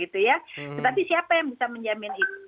tetapi siapa yang bisa menjamin itu